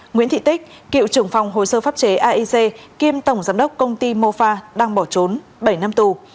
nguyễn thị tích cựu trưởng phòng hồ sơ pháp chế aic kiêm tổng giám đốc công ty mofa đang bỏ trốn bảy năm tù